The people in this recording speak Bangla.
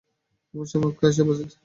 এমন সময় অক্ষয় আসিয়া উপস্থিত।